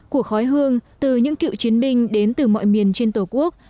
của khói hương từ những cựu chiến binh đến từ mọi miền trên tổ quốc